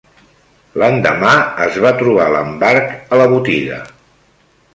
L'endemà es va trobar l'embarg a la botiga